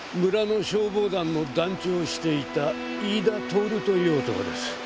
村の消防団の団長をしていた飯田透という男です。